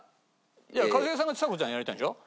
一茂さんがちさ子ちゃんやりたいんでしょ？